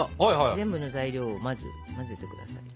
全部の材料を混ぜて下さい。